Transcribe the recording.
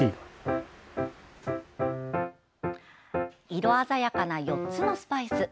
色鮮やかな４つのスパイス。